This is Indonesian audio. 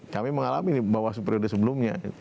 kami mengalami di bawah periode sebelumnya